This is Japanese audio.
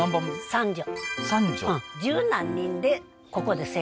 三女？